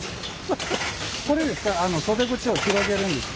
これですか？